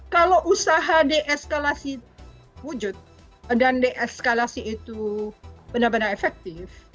kalau usaha deeskalasi wujud dan deeskalasi itu benar benar efektif